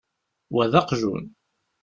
Wa d aqjun.